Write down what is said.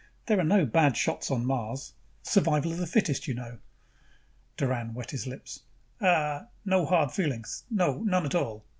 There are no bad shots on Mars survival of the fittest, you know." Doran wet his lips. "Uh, no hard feelings. No, none at all.